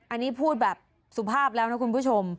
อันนี้พูดแบบสุภาพแล้วนะคุณผู้ชม